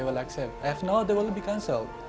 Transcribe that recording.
jika tidak mereka akan dihentikan